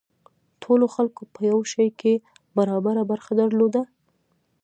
ټولو خلکو په یو شي کې برابره برخه درلوده.